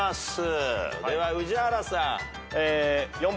では宇治原さん。